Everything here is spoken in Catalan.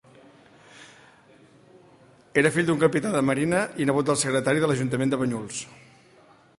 Era fill d'un capità de marina i nebot del Secretari de l'ajuntament de Banyuls.